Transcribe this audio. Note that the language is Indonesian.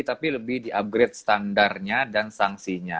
tapi lebih di upgrade standarnya dan sanksinya